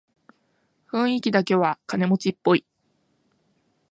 雰囲気だけは金持ちっぽい